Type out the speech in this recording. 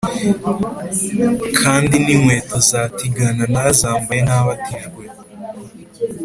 kandi n’inkweto za tigana narazambaye nabatijwe